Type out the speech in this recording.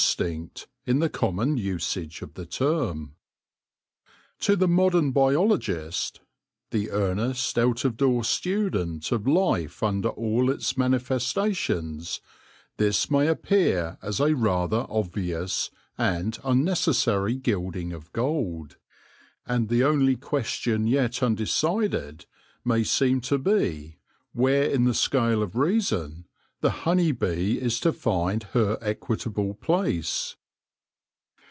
stinct, in the common usage of the term. To the modern biologist — the earnest out of door student of life under all its manifestations — this may appear as a rather obvious and unnecessary gilding of gold, and the only question yet undecided may seem to be THE COMB BUILDERS 135 where in the scale of reason the honey bee is to find her equitable place.